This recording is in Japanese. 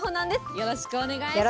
よろしくお願いします。